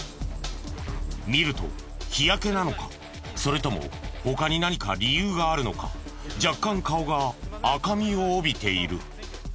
見ると日焼けなのかそれとも他に何か理由があるのか若干顔が赤みを帯びている。